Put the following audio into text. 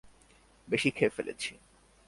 বেশি খেয়ে ফেলেছি।